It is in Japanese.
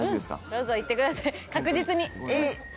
どうぞいってください確実に。